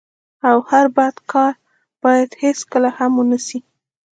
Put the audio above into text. او هر بد کار بايد هيڅکله هم و نه سي.